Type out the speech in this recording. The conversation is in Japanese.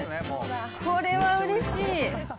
これはうれしい。